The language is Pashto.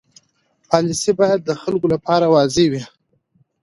پالیسي باید د خلکو لپاره واضح وي.